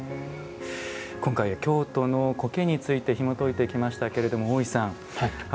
今回は京都は苔についてひもといていきましたけれども大石さん。